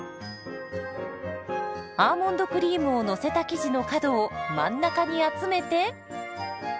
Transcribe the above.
アーモンドクリームをのせた生地の角を真ん中に集めて。